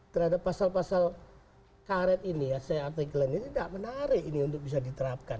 terhadap pasal pasal karet ini ya se artikelen ini tidak menarik ini untuk bisa diterapkan